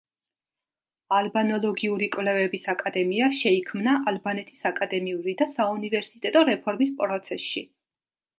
ალბანოლოგიური კვლევების აკადემია შეიქმნა ალბანეთის აკადემიური და საუნივერსიტეტო რეფორმის პროცესში.